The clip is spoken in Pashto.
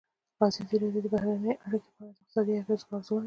ازادي راډیو د بهرنۍ اړیکې په اړه د اقتصادي اغېزو ارزونه کړې.